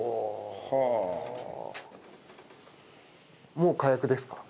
もう火薬ですか？